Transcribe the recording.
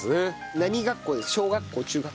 何学校小学校？中学校？